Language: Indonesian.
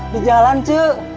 di jalan cek